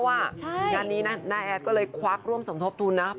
งานนี้นะน้าแอดก็เลยควักร่วมสมทบทุนนะครับ